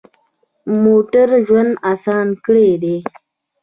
موټر ژوند اسان کړی دی.